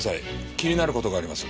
気になる事があります。